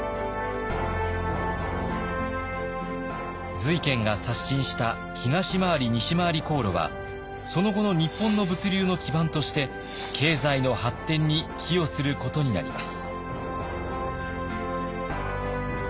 瑞賢が刷新した東廻り西廻り航路はその後の日本の物流の基盤として経済の発展に寄与することになります。